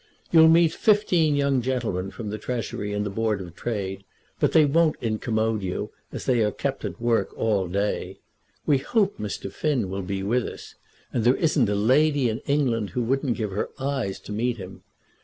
You'll meet fifteen young gentlemen from the Treasury and the Board of Trade, but they won't incommode you, as they are kept at work all day. We hope Mr. Finn will be with us, and there isn't a lady in England who wouldn't give her eyes to meet him.